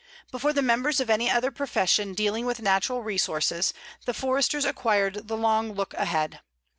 Before the members of any other profession dealing with natural resources, the Foresters acquired the long look ahead.